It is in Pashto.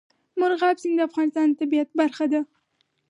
مورغاب سیند د افغانستان د طبیعت برخه ده.